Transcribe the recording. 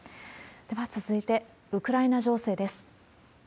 では、続いて、ウクライナ情勢です。